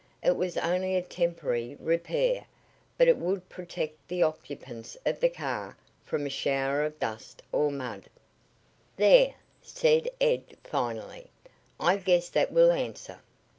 It was only a temporary repair, but it would protect the occupants of the car from a shower of dust or mud. "There," said Ed finally. "I guess that will answer.